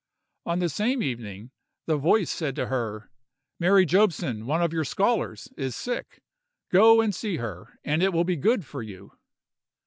On the same evening the voice said to her, "Mary Jobson, one of your scholars is sick; go and see her, and it will be good for you."